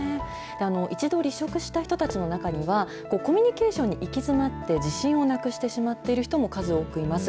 一度離職した人たちの中には、コミュニケーションに行き詰まって自信をなくしてしまっている人も数多くいます。